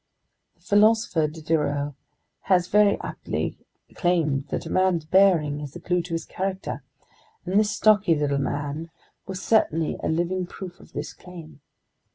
The philosopher Diderot has very aptly claimed that a man's bearing is the clue to his character, and this stocky little man was certainly a living proof of this claim.